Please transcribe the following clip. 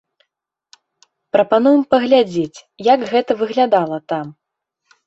Прапануем паглядзець, як гэта выглядала там.